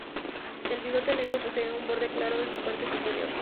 El bigote negro posee un borde claro en su parte superior.